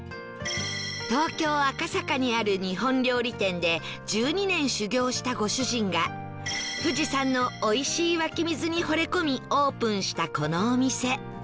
東京赤坂にある日本料理店で１２年修業したご主人が富士山のおいしい湧き水にほれ込みオープンしたこのお店